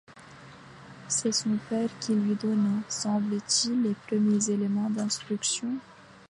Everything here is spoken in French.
C'est son père qui lui donna, semble-t-il, les premiers éléments d'instruction.